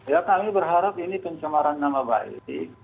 ya kami berharap ini pencemaran nama baik